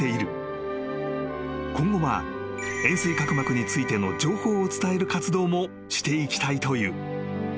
［今後は円錐角膜についての情報を伝える活動もしていきたいという］